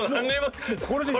これでいい。